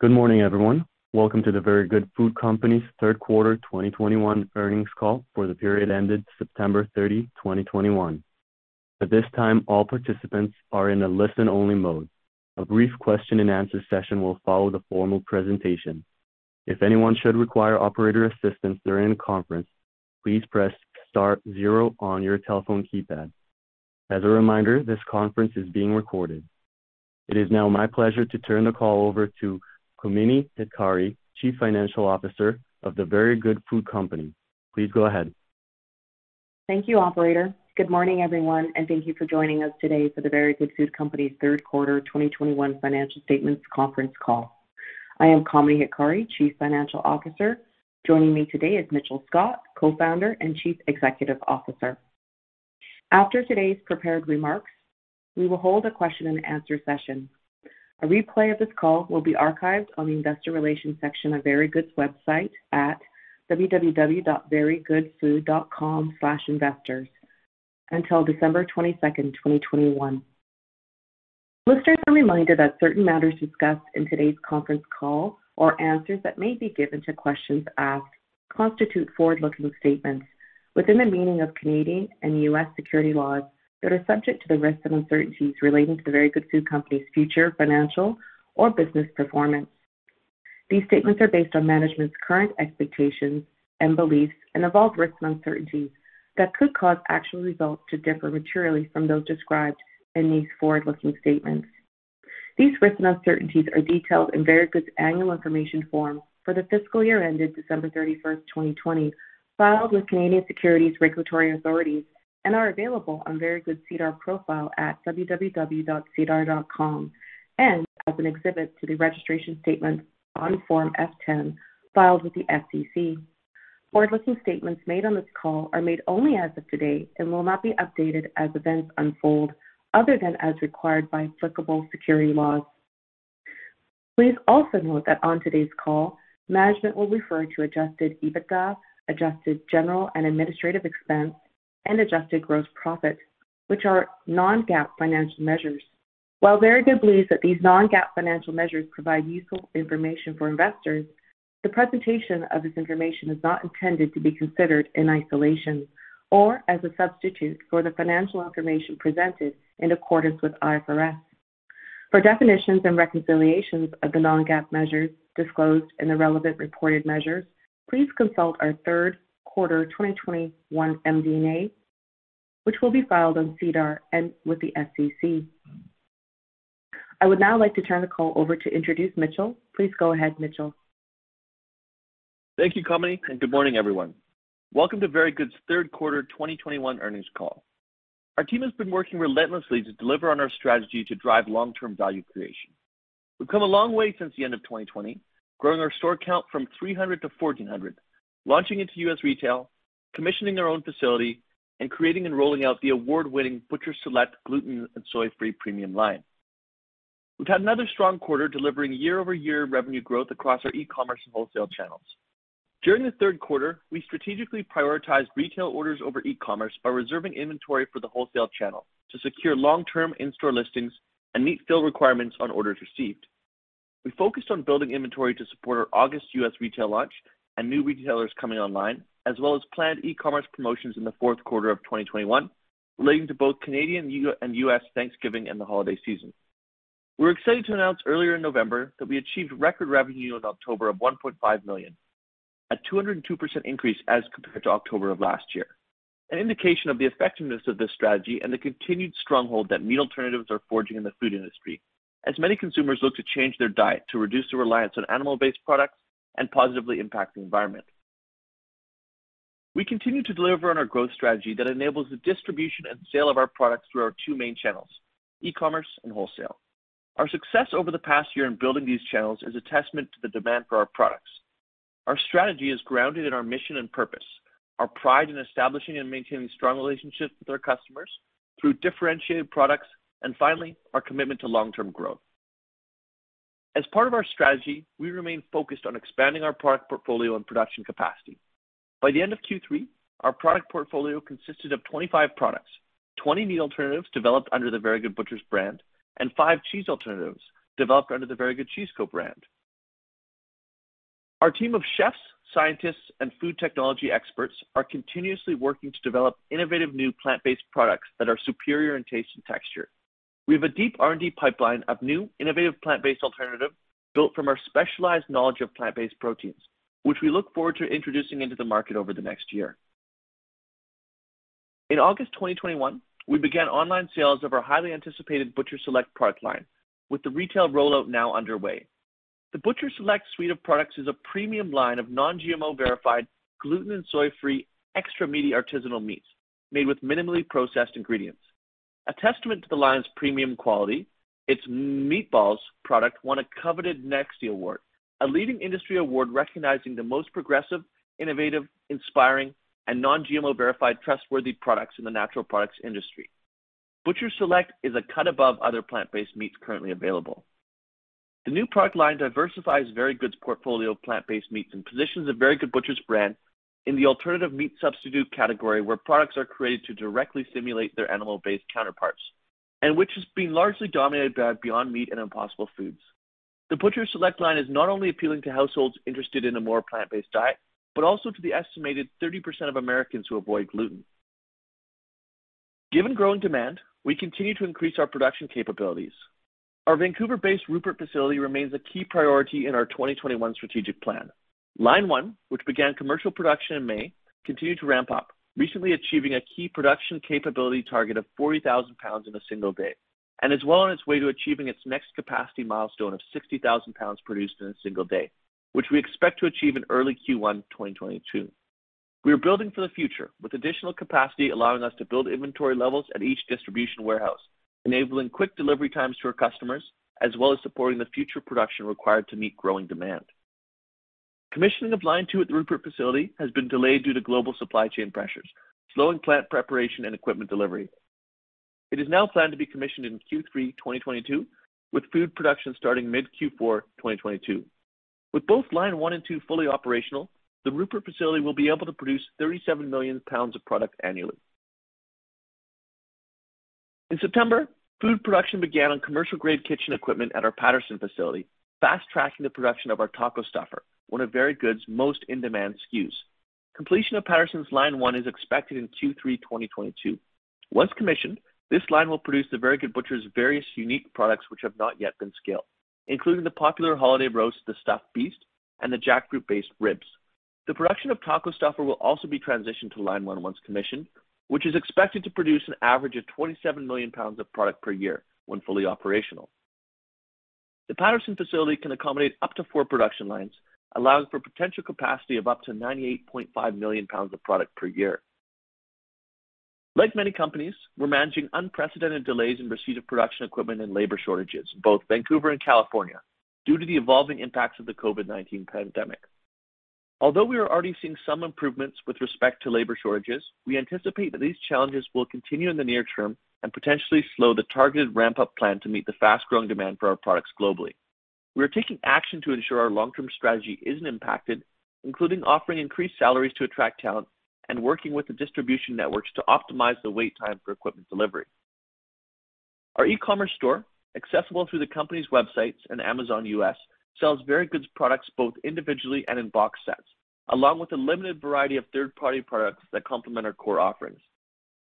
Good morning, everyone. Welcome to The Very Good Food Company's third quarter 2021 earnings call for the period ended September 30, 2021. At this time, all participants are in a listen-only mode. A brief question and answer session will follow the formal presentation. If anyone should require operator assistance during the conference, please press star-zero on your telephone keypad. As a reminder, this conference is being recorded. It is now my pleasure to turn the call over to Kamini Hitkari, Chief Financial Officer of The Very Good Food Company. Please go ahead. Thank you, operator. Good morning, everyone, and thank you for joining us today for The Very Good Food Company's Third Quarter 2021 Financial Statements Conference Call. I am Kamini Hitkari, Chief Financial Officer. Joining me today is Mitchell Scott, Co-founder and Chief Executive Officer. After today's prepared remarks, we will hold a question and answer session. A replay of this call will be archived on the investor relations section of Very Good's website at www.verygoodfood.com/investors until December 22, 2021. Listeners are reminded that certain matters discussed in today's conference call or answers that may be given to questions asked constitute forward-looking statements within the meaning of Canadian and U.S. securities laws that are subject to the risk of uncertainties relating to The Very Good Food Company's future financial or business performance. These statements are based on management's current expectations and beliefs and involve risks and uncertainties that could cause actual results to differ materially from those described in these forward-looking statements. These risks and uncertainties are detailed in Very Good's annual information form for the fiscal year ended December 31, 2020, filed with Canadian Securities Regulatory Authority and are available on Very Good's SEDAR profile at www.sedar.com and as an exhibit to the registration statements on Form F-10 filed with the SEC. Forward-looking statements made on this call are made only as of today and will not be updated as events unfold, other than as required by applicable securities laws. Please also note that on today's call, management will refer to adjusted EBITDA, adjusted general and administrative expense, and adjusted gross profit, which are non-GAAP financial measures. While Very Good believes that these non-GAAP financial measures provide useful information for investors, the presentation of this information is not intended to be considered in isolation or as a substitute for the financial information presented in accordance with IFRS. For definitions and reconciliations of the non-GAAP measures disclosed in the relevant reported measures, please consult our third quarter 2021 MD&A, which will be filed on SEDAR and with the SEC. I would now like to turn the call over to introduce Mitchell. Please go ahead, Mitchell. Thank you, Kamini, and good morning, everyone. Welcome to Very Good's Third Quarter 2021 Earnings Call. Our team has been working relentlessly to deliver on our strategy to drive long-term value creation. We've come a long way since the end of 2020, growing our store count from 300 to 1,400, launching into U.S. retail, commissioning our own facility, and creating and rolling out the award-winning Butcher's Select gluten and soy-free premium line. We've had another strong quarter delivering year-over-year revenue growth across our e-commerce and wholesale channels. During the third quarter, we strategically prioritized retail orders over e-commerce by reserving inventory for the wholesale channel to secure long-term in-store listings and meet fill requirements on orders received. We focused on building inventory to support our August U.S. retail launch and new retailers coming online, as well as planned e-commerce promotions in the fourth quarter of 2021, relating to both Canadian and U.S. Thanksgiving and the holiday season. We're excited to announce earlier in November that we achieved record revenue in October of 1.5 million, a 202% increase as compared to October of last year, an indication of the effectiveness of this strategy and the continued stronghold that meat alternatives are forging in the food industry, as many consumers look to change their diet to reduce the reliance on animal-based products and positively impact the environment. We continue to deliver on our growth strategy that enables the distribution and sale of our products through our two main channels, e-commerce and wholesale. Our success over the past year in building these channels is a testament to the demand for our products. Our strategy is grounded in our mission and purpose, our pride in establishing and maintaining strong relationships with our customers through differentiated products, and finally, our commitment to long-term growth. As part of our strategy, we remain focused on expanding our product portfolio and production capacity. By the end of Q3, our product portfolio consisted of 25 products, 20 meat alternatives developed under the Very Good Butchers brand, and five cheese alternatives developed under the Very Good Cheese Co. brand. Our team of chefs, scientists, and food technology experts are continuously working to develop innovative new plant-based products that are superior in taste and texture. We have a deep R&D pipeline of new innovative plant-based alternative built from our specialized knowledge of plant-based proteins, which we look forward to introducing into the market over the next year. In August 2021, we began online sales of our highly anticipated Butcher's Select product line, with the retail rollout now underway. The Butcher's Select suite of products is a premium line of Non-GMO verified, gluten- and soy-free, extra meaty artisanal meats made with minimally processed ingredients. A testament to the line's premium quality, its meatballs product won a coveted NEXTY award, a leading industry award recognizing the most progressive, innovative, inspiring, and Non-GMO verified trustworthy products in the natural products industry. Butcher's Select is a cut above other plant-based meats currently available. The new product line diversifies Very Good's portfolio of plant-based meats and positions the Very Good Butchers brand in the alternative meat substitute category where products are created to directly simulate their animal-based counterparts, and which has been largely dominated by Beyond Meat and Impossible Foods. The Butcher's Select line is not only appealing to households interested in a more plant-based diet, but also to the estimated 30% of Americans who avoid gluten. Given growing demand, we continue to increase our production capabilities. Our Vancouver-based Rupert facility remains a key priority in our 2021 strategic plan. Line one, which began commercial production in May, continued to ramp up, recently achieving a key production capability target of 40,000 lbs in a single day, and is well on its way to achieving its next capacity milestone of 60,000 lbs produced in a single day, which we expect to achieve in early Q1 2022. We are building for the future with additional capacity allowing us to build inventory levels at each distribution warehouse, enabling quick delivery times to our customers, as well as supporting the future production required to meet growing demand. Commissioning of line two at the Rupert facility has been delayed due to global supply chain pressures, slowing plant preparation and equipment delivery. It is now planned to be commissioned in Q3 2022, with food production starting mid Q4 2022. With both line one and two fully operational, the Rupert facility will be able to produce 37 million pounds of product annually. In September, food production began on commercial grade kitchen equipment at our Patterson facility, fast-tracking the production of our Taco Stuffer, one of Very Good's most in-demand SKUs. Completion of Patterson's line one is expected in Q3 2022. Once commissioned, this line will produce The Very Good Butchers' various unique products which have not yet been scaled, including the popular holiday roast, the Stuffed Beast, and the jackfruit-based ribs. The production of Taco Stuffer will also be transitioned to line one once commissioned, which is expected to produce an average of 27 million pounds of product per year when fully operational. The Patterson facility can accommodate up to four production lines, allowing for potential capacity of up to 98.5 million pounds of product per year. Like many companies, we're managing unprecedented delays in receipt of production equipment and labor shortages in both Vancouver and California due to the evolving impacts of the COVID-19 pandemic. Although we are already seeing some improvements with respect to labor shortages, we anticipate that these challenges will continue in the near term and potentially slow the targeted ramp-up plan to meet the fast-growing demand for our products globally. We are taking action to ensure our long-term strategy isn't impacted, including offering increased salaries to attract talent and working with the distribution networks to optimize the wait time for equipment delivery. Our e-commerce store, accessible through the company's websites and Amazon U.S, sells Very Good's products both individually and in box sets, along with a limited variety of third-party products that complement our core offerings.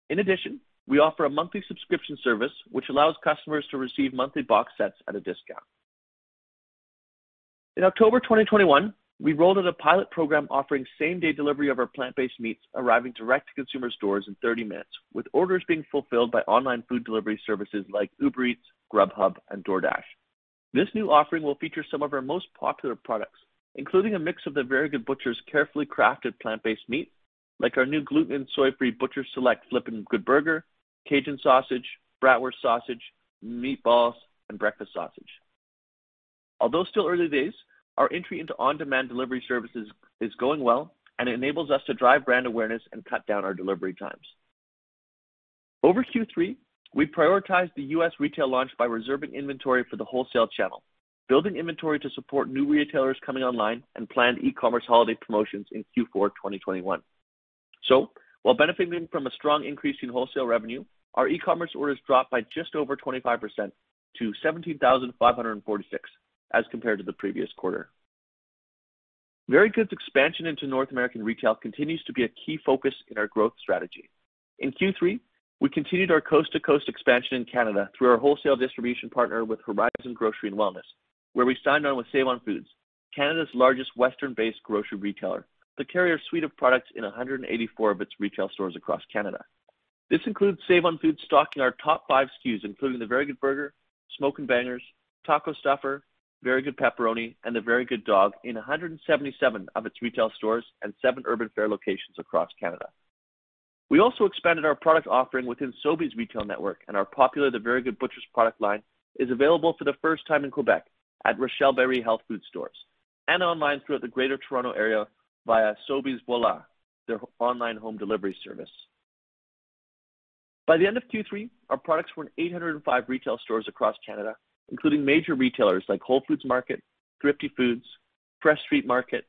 In addition, we offer a monthly subscription service which allows customers to receive monthly box sets at a discount. In October 2021, we rolled out a pilot program offering same-day delivery of our plant-based meats arriving direct to consumers' doors in 30 minutes, with orders being fulfilled by online food delivery services like Uber Eats, Grubhub, and DoorDash. This new offering will feature some of our most popular products, including a mix of The Very Good Butchers' carefully crafted plant-based meat, like our new gluten- and soy-free Butcher's Select Flippin' Good Burger, Cajun Sausage, bratwurst sausage, meatballs, and breakfast sausage. Although still early days, our entry into on-demand delivery services is going well and enables us to drive brand awareness and cut down our delivery times. Over Q3, we prioritized the U.S. retail launch by reserving inventory for the wholesale channel, building inventory to support new retailers coming online, and planned e-commerce holiday promotions in Q4 2021. While benefiting from a strong increase in wholesale revenue, our e-commerce orders dropped by just over 25% to 17,546 as compared to the previous quarter. Very Good's expansion into North American retail continues to be a key focus in our growth strategy. In Q3, we continued our coast-to-coast expansion in Canada through our wholesale distribution partner with Horizon Grocery + Wellness, where we signed on with Save-On-Foods, Canada's largest Western-based grocery retailer, to carry our suite of products in 184 of its retail stores across Canada. This includes Save-On-Foods stocking our top five SKUs, including The Very Good Burger, Smokin' Bangers, Taco Stuffer, Very Good Pepperoni, and The Very Good Dog in 177 of its retail stores and seven Urban Fare locations across Canada. We also expanded our product offering within Sobeys retail network, and our popular The Very Good Butchers product line is available for the first time in Quebec at Rachelle-Béry health food stores and online throughout the Greater Toronto Area via Sobeys Voilà, their online home delivery service. By the end of Q3, our products were in 805 retail stores across Canada, including major retailers like Whole Foods Market, Thrifty Foods, Fresh St. Market,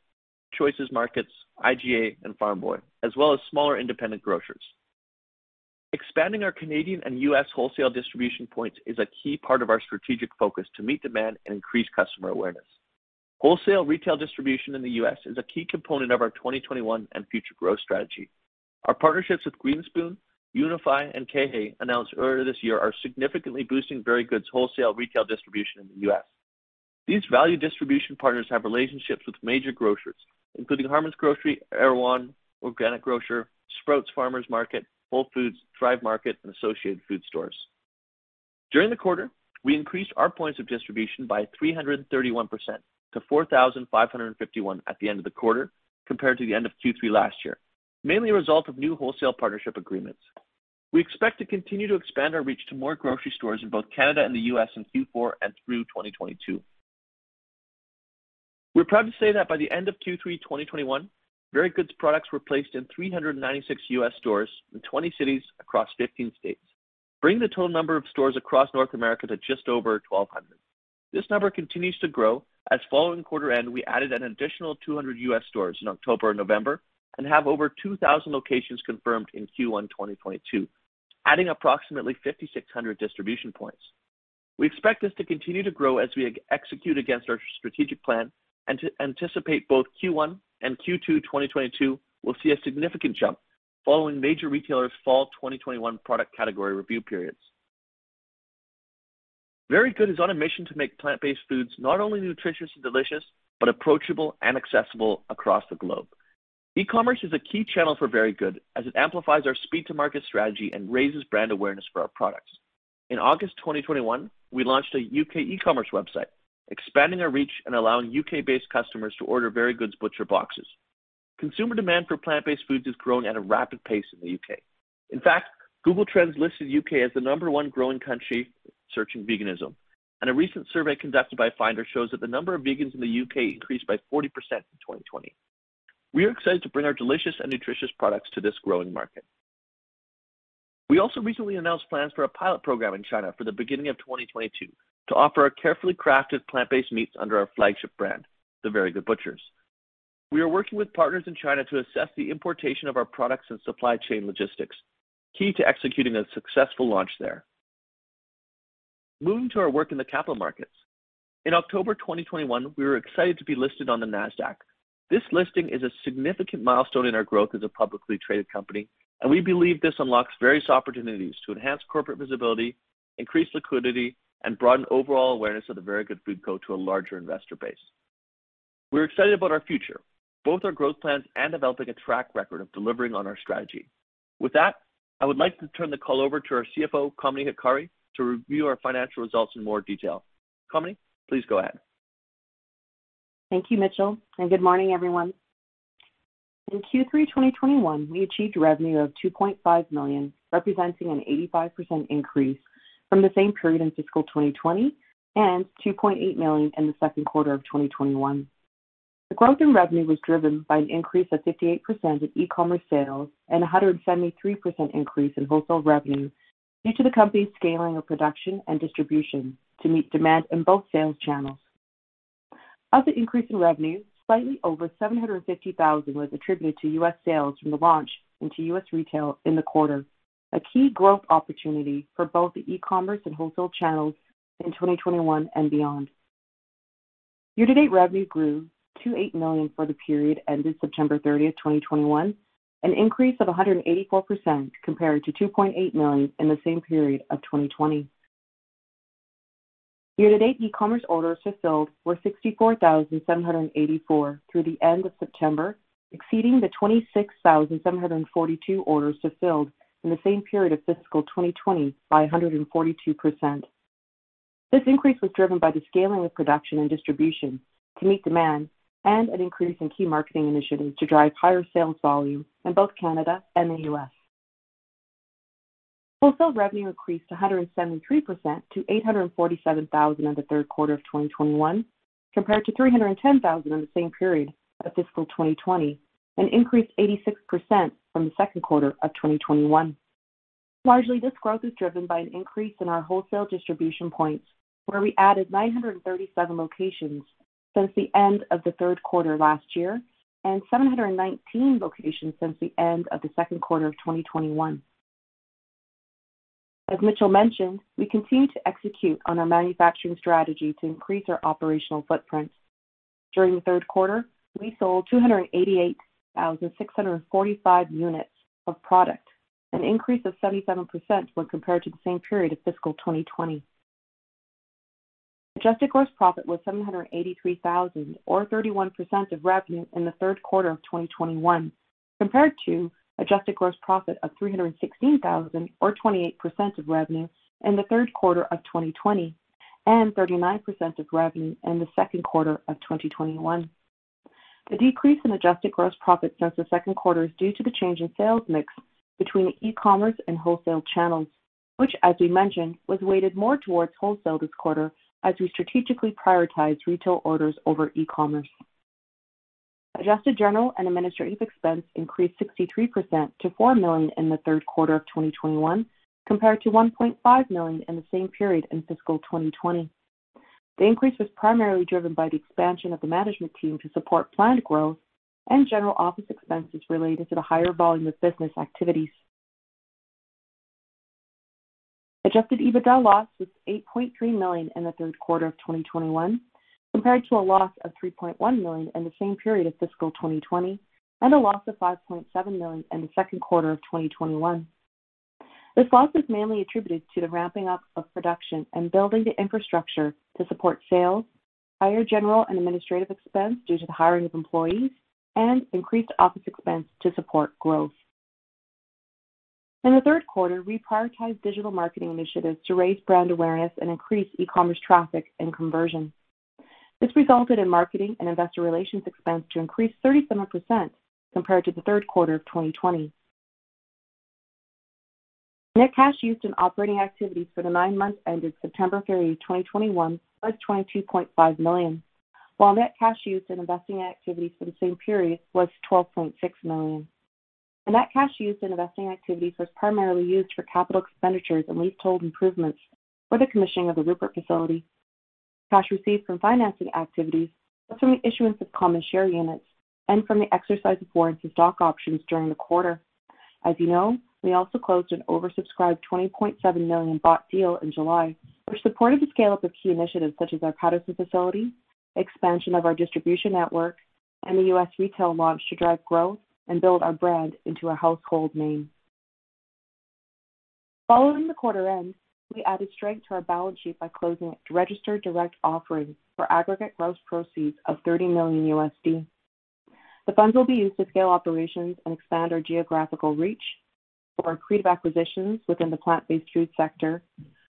Choices Markets, IGA, and Farm Boy, as well as smaller independent grocers. Expanding our Canadian and U.S. wholesale distribution points is a key part of our strategic focus to meet demand and increase customer awareness. Wholesale retail distribution in the U.S. is a key component of our 2021 and future growth strategy. Our partnerships with Green Spoon, UNFI, and KeHE announced earlier this year are significantly boosting Very Good's wholesale retail distribution in the U.S. These value distribution partners have relationships with major grocers, including Harmons Grocery, Erewhon, Natural Grocers, Sprouts Farmers Market, Whole Foods, Thrive Market, and Associated Food Stores. During the quarter, we increased our points of distribution by 331% to 4,551 at the end of the quarter compared to the end of Q3 last year, mainly a result of new wholesale partnership agreements. We expect to continue to expand our reach to more grocery stores in both Canada and the U.S. in Q4 and through 2022. We're proud to say that by the end of Q3 2021, Very Good's products were placed in 396 U.S. stores in 20 cities across 15 states, bringing the total number of stores across North America to just over 1,200. This number continues to grow as, following quarter end, we added an additional 200 U.S. stores in October and November, and have over 2,000 locations confirmed in Q1 2022, adding approximately 5,600 distribution points. We expect this to continue to grow as we execute against our strategic plan and we anticipate both Q1 and Q2, 2022 will see a significant jump following major retailers fall 2021 product category review periods. Very Good is on a mission to make plant-based foods not only nutritious and delicious, but approachable and accessible across the globe. E-commerce is a key channel for Very Good, as it amplifies our speed to market strategy and raises brand awareness for our products. In August 2021, we launched a U.K. e-commerce website, expanding our reach and allowing U.K.-based customers to order Very Good's Butcher Boxes. Consumer demand for plant-based foods has grown at a rapid pace in the U.K. In fact, Google Trends listed U.K. as the number 1 growing country searching veganism, and a recent survey conducted by Finder shows that the number of vegans in the U.K. increased by 40% in 2020. We are excited to bring our delicious and nutritious products to this growing market. We also recently announced plans for a pilot program in China for the beginning of 2022 to offer our carefully crafted plant-based meats under our flagship brand, The Very Good Butchers. We are working with partners in China to assess the importation of our products and supply chain logistics, key to executing a successful launch there. Moving to our work in the capital markets. In October 2021, we were excited to be listed on the Nasdaq. This listing is a significant milestone in our growth as a publicly traded company, and we believe this unlocks various opportunities to enhance corporate visibility, increase liquidity, and broaden overall awareness of the Very Good Food Co. to a larger investor base. We're excited about our future, both our growth plans and developing a track record of delivering on our strategy. With that, I would like to turn the call over to our CFO, Kamini Hitkari, to review our financial results in more detail. Kamini, please go ahead. Thank you, Mitchell, and good morning, everyone. In Q3 2021, we achieved revenue of 2.5 million, representing an 85% increase from the same period in fiscal 2020 and 2.8 million in the second quarter of 2021. The growth in revenue was driven by an increase of 58% in e-commerce sales and a 173% increase in wholesale revenue due to the company's scaling of production and distribution to meet demand in both sales channels. Of the increase in revenue, slightly over 750,000 was attributed to U.S. sales from the launch into U.S. retail in the quarter, a key growth opportunity for both the e-commerce and wholesale channels in 2021 and beyond. Year-to-date revenue grew to 8 million for the period ended September 30, 2021, an increase of 184% compared to 2.8 million in the same period of 2020. Year-to-date e-commerce orders fulfilled were 64,784 through the end of September, exceeding the 26,742 orders fulfilled in the same period of fiscal 2020 by 142%. This increase was driven by the scaling of production and distribution to meet demand and an increase in key marketing initiatives to drive higher sales volume in both Canada and the U.S. Fulfilled revenue increased 173% to 847,000 in the third quarter of 2021 compared to 310,000 in the same period of fiscal 2020, an increase 86% from the second quarter of 2021. Largely, this growth is driven by an increase in our wholesale distribution points, where we added 937 locations since the end of the third quarter last year and 719 locations since the end of the second quarter of 2021. As Mitchell mentioned, we continue to execute on our manufacturing strategy to increase our operational footprint. During the third quarter, we sold 288,645 units of product, an increase of 77% when compared to the same period of fiscal 2020. Adjusted gross profit was 783 thousand or 31% of revenue in the third quarter of 2021 compared to adjusted gross profit of 316 thousand or 28% of revenue in the third quarter of 2020 and 39% of revenue in the second quarter of 2021. The decrease in adjusted gross profit since the second quarter is due to the change in sales mix between the e-commerce and wholesale channels, which as we mentioned, was weighted more towards wholesale this quarter as we strategically prioritize retail orders over e-commerce. Adjusted general and administrative expense increased 63% to 4 million in the third quarter of 2021 compared to 1.5 million in the same period in fiscal 2020. The increase was primarily driven by the expansion of the management team to support planned growth and general office expenses related to the higher volume of business activities. Adjusted EBITDA loss was 8.3 million in the third quarter of 2021 compared to a loss of 3.1 million in the same period of fiscal 2020 and a loss of 5.7 million in the second quarter of 2021. This loss is mainly attributed to the ramping up of production and building the infrastructure to support sales, higher general and administrative expense due to the hiring of employees, and increased office expense to support growth. In the third quarter, we prioritized digital marketing initiatives to raise brand awareness and increase e-commerce traffic and conversion. This resulted in marketing and investor relations expense to increase 37% compared to the third quarter of 2020. Net cash used in operating activities for the nine months ended September 30, 2021 was 22.5 million, while net cash used in investing activities for the same period was 12.6 million. That cash used in investing activities was primarily used for capital expenditures and leasehold improvements for the commissioning of the Rupert facility. Cash received from financing activities was from the issuance of common share units and from the exercise of warrants and stock options during the quarter. As you know, we also closed an oversubscribed 20.7 million bought deal in July, which supported the scale-up of key initiatives such as our Patterson facility, expansion of our distribution network, and the U.S. retail launch to drive growth and build our brand into a household name. Following the quarter end, we added strength to our balance sheet by closing a registered direct offering for aggregate gross proceeds of $30 million. The funds will be used to scale operations and expand our geographical reach for accretive acquisitions within the plant-based food sector,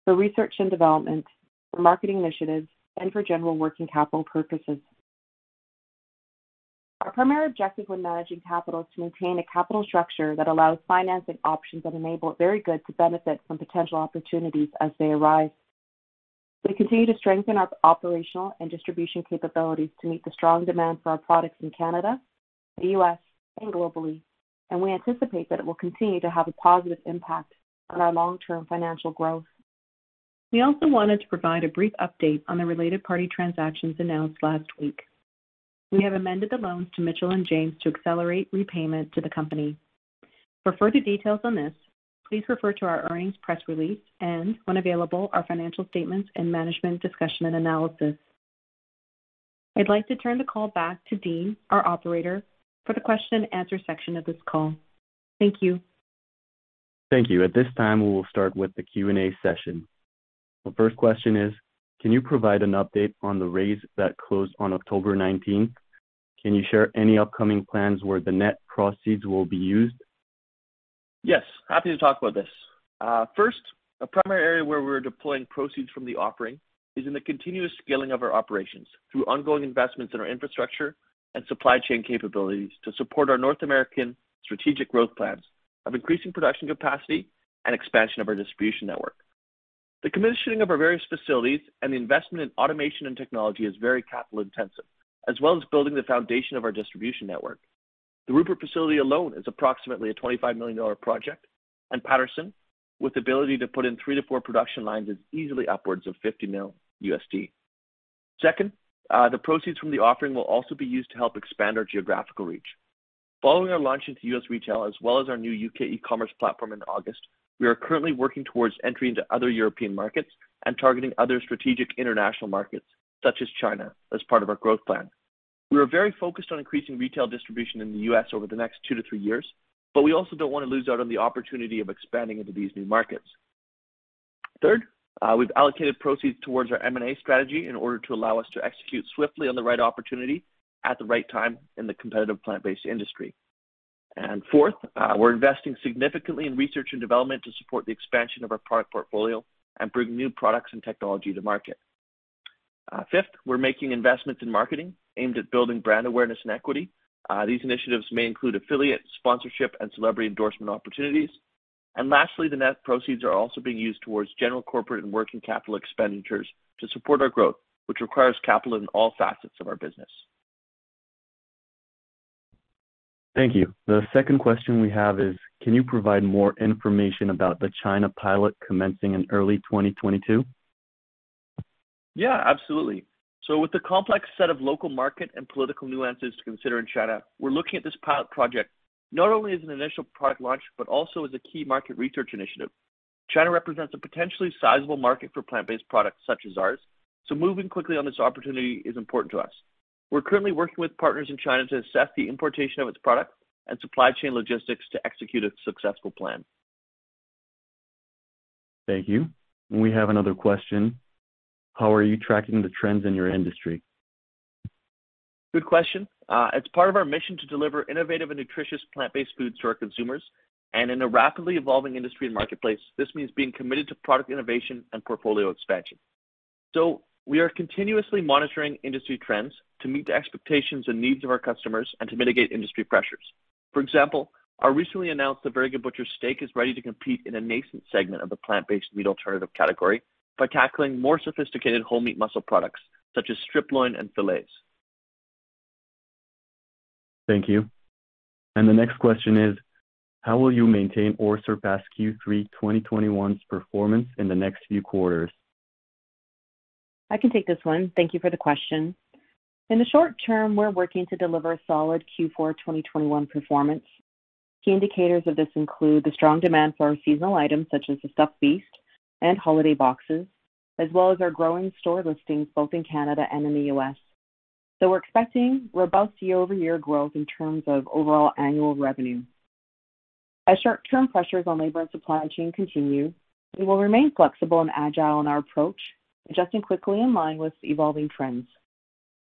for research and development, for marketing initiatives, and for general working capital purposes. Our primary objective when managing capital is to maintain a capital structure that allows financing options that enable Very Good to benefit from potential opportunities as they arise. We continue to strengthen our operational and distribution capabilities to meet the strong demand for our products in Canada, the U.S., and globally, and we anticipate that it will continue to have a positive impact on our long-term financial growth. We also wanted to provide a brief update on the related party transactions announced last week. We have amended the loans to Mitchell and James to accelerate repayment to the company. For further details on this, please refer to our earnings press release and, when available, our financial statements and Management Discussion and Analysis. I'd like to turn the call back to Dean, our operator, for the question and answer section of this call. Thank you. Thank you. At this time, we will start with the Q&A session. The first question is, can you provide an update on the raise that closed on October 19? Can you share any upcoming plans where the net proceeds will be used? Yes, happy to talk about this. First, a primary area where we're deploying proceeds from the offering is in the continuous scaling of our operations through ongoing investments in our infrastructure and supply chain capabilities to support our North American strategic growth plans of increasing production capacity and expansion of our distribution network. The commissioning of our various facilities and the investment in automation and technology is very capital intensive, as well as building the foundation of our distribution network. The Rupert facility alone is approximately a 25 million dollar project, and Patterson, with the ability to put in three-four production lines, is easily upwards of $50 million. Second, the proceeds from the offering will also be used to help expand our geographical reach. Following our launch into U.S. retail, as well as our new U.K. e-commerce platform in August, we are currently working towards entering into other European markets and targeting other strategic international markets, such as China, as part of our growth plan. We are very focused on increasing retail distribution in the U.S. over the next two-three years, but we also don't want to lose out on the opportunity of expanding into these new markets. Third, we've allocated proceeds towards our M&A strategy in order to allow us to execute swiftly on the right opportunity at the right time in the competitive plant-based industry. Fourth, we're investing significantly in research and development to support the expansion of our product portfolio and bring new products and technology to market. Fifth, we're making investments in marketing aimed at building brand awareness and equity. These initiatives may include affiliate, sponsorship, and celebrity endorsement opportunities. Lastly, the net proceeds are also being used towards general corporate and working capital expenditures to support our growth, which requires capital in all facets of our business. Thank you. The second question we have is, can you provide more information about the China pilot commencing in early 2022? Yeah, absolutely. With the complex set of local market and political nuances to consider in China, we're looking at this pilot project not only as an initial product launch, but also as a key market research initiative. China represents a potentially sizable market for plant-based products such as ours, so moving quickly on this opportunity is important to us. We're currently working with partners in China to assess the importation of its product and supply chain logistics to execute a successful plan. Thank you. We have another question. How are you tracking the trends in your industry? Good question. It's part of our mission to deliver innovative and nutritious plant-based foods to our consumers. In a rapidly evolving industry and marketplace, this means being committed to product innovation and portfolio expansion. We are continuously monitoring industry trends to meet the expectations and needs of our customers and to mitigate industry pressures. For example, our recently announced The Very Good Butchers Steak is ready to compete in a nascent segment of the plant-based meat alternative category by tackling more sophisticated whole meat muscle products such as strip loin and filets. Thank you. The next question is, how will you maintain or surpass Q3 2021's performance in the next few quarters? I can take this one. Thank you for the question. In the short term, we're working to deliver solid Q4 2021 performance. Key indicators of this include the strong demand for our seasonal items, such as the Stuffed Beast and holiday boxes, as well as our growing store listings both in Canada and in the U.S. We're expecting robust year-over-year growth in terms of overall annual revenue. As short-term pressures on labor and supply chain continue, we will remain flexible and agile in our approach, adjusting quickly in line with evolving trends.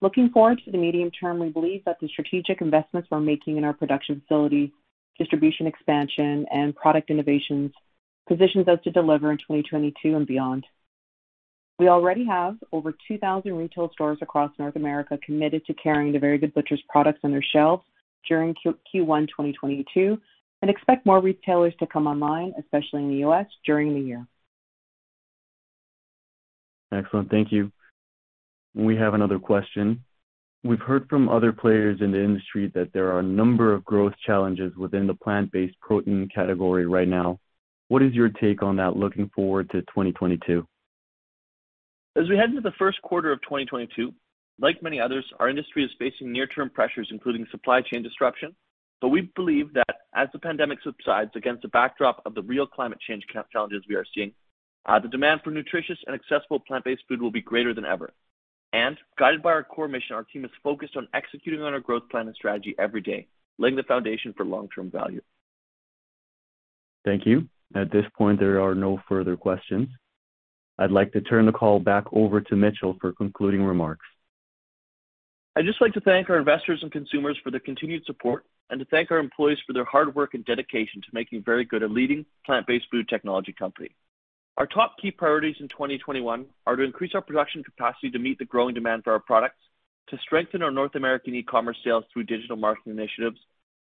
Looking forward to the medium term, we believe that the strategic investments we're making in our production facility, distribution expansion, and product innovations positions us to deliver in 2022 and beyond. We already have over 2,000 retail stores across North America committed to carrying The Very Good Butchers products on their shelves during Q1 2022 and expect more retailers to come online, especially in the U.S., during the year. Excellent. Thank you. We have another question. We've heard from other players in the industry that there are a number of growth challenges within the plant-based protein category right now. What is your take on that looking forward to 2022? As we head into the first quarter of 2022, like many others, our industry is facing near-term pressures, including supply chain disruption. We believe that as the pandemic subsides against the backdrop of the real climate change challenges we are seeing, the demand for nutritious and accessible plant-based food will be greater than ever. Guided by our core mission, our team is focused on executing on our growth plan and strategy every day, laying the foundation for long-term value. Thank you. At this point, there are no further questions. I'd like to turn the call back over to Mitchell for concluding remarks. I'd just like to thank our investors and consumers for their continued support and to thank our employees for their hard work and dedication to making Very Good a leading plant-based food technology company. Our top key priorities in 2021 are to increase our production capacity to meet the growing demand for our products, to strengthen our North American e-commerce sales through digital marketing initiatives,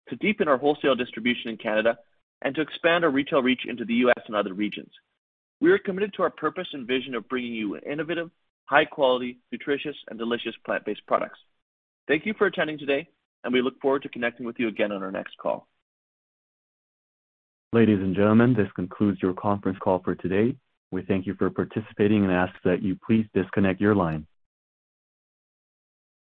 to deepen our wholesale distribution in Canada, and to expand our retail reach into the U.S. and other regions. We are committed to our purpose and vision of bringing you innovative, high quality, nutritious, and delicious plant-based products. Thank you for attending today, and we look forward to connecting with you again on our next call. Ladies and gentlemen, this concludes your conference call for today. We thank you for participating and ask that you please disconnect your line.